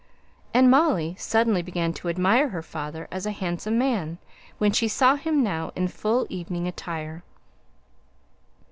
And Molly suddenly began to admire her father as a handsome man, when she saw him now, in full evening attire.